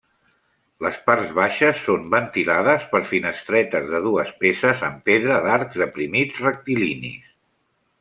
Les parts baixes són ventilades per finestretes de dues peces en pedra d'arcs deprimits rectilinis.